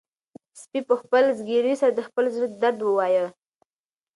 سپي په خپل زګیروي سره د خپل زړه درد ووايه.